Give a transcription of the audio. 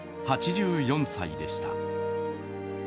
８４歳でした。